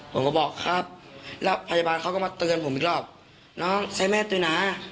ผมก็บอกครับแล้วพยาบาลเขาก็มาเตือนผมอีกรอบน้องใช้แม่ด้วยนะ